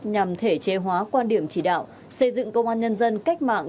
nhằm thể chế hóa quan điểm chỉ đạo xây dựng công an nhân dân cách mạng